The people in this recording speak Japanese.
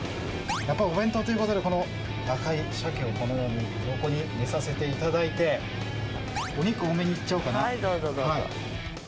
やっぱりお弁当ということで、この赤いシャケをこのように横に寝させていただいて、お肉、どうぞどうぞ。